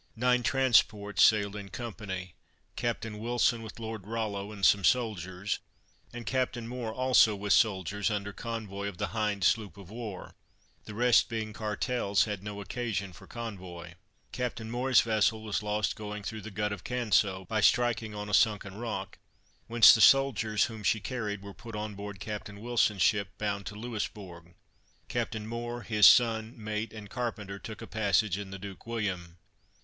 Nine transports sailed in company; Captain Wilson with Lord Rollo and some soldiers, and Captain Moore also with soldiers, under convoy of the Hind sloop of war; the rest being cartels, had no occasion for convoy. Captain Moore's vessel was lost going through the Gut of Canso, by striking on a sunken rock, whence the soldiers whom she carried were put on board Captain Wilson's ship bound to Louisbourg. Captain Moore, his son, mate and carpenter, took a passage in the Duke William.